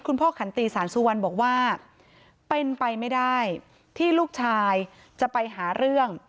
ขันตีสารสุวรรณบอกว่าเป็นไปไม่ได้ที่ลูกชายจะไปหาเรื่อง